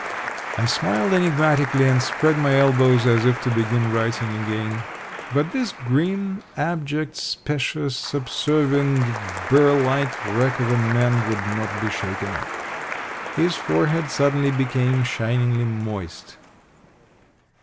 I smiled enigmatically and spread my elbows as if to begin writing again. But this grim, abject, specious, subservient, burr like wreck of a man would not be shaken off. His forehead suddenly became shiningly moist.